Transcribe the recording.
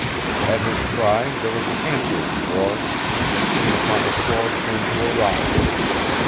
At his cry there was an answering roar, and the scene upon the floor turned to a riot.